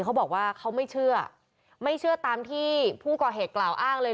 เขาบอกว่าเขาไม่เชื่อไม่เชื่อตามที่ผู้ก่อเหตุกล่าวอ้างเลย